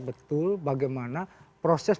betul bagaimana proses